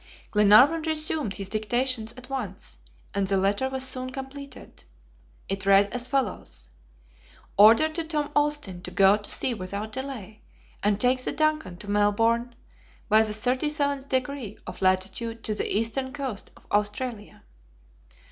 Glenarvan resumed his dictation at once, and the letter was soon completed. It read as follows: "Order to Tom Austin to go to sea without delay; and take the DUNCAN to Melbourne by the 37th degree of latitude to the eastern coast of Australia."